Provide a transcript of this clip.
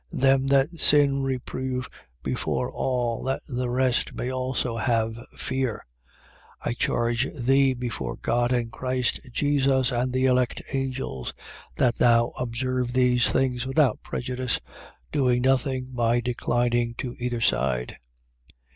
5:20. Them that sin reprove before all that the rest also may have fear. 5:21. I charge thee, before God and Christ Jesus and the elect angels, that thou observe these things without prejudice, doing nothing by declining to either side.